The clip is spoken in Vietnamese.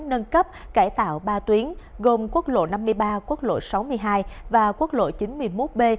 nâng cấp cải tạo ba tuyến gồm quốc lộ năm mươi ba quốc lộ sáu mươi hai và quốc lộ chín mươi một b